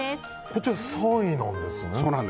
こちら３位なんですね。